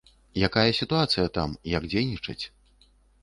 Якая сітуацыя там, як дзейнічаць.